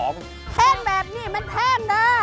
แพงแบบนี้มันแพงนะ